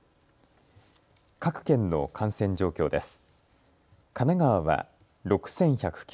各県の感染状況です。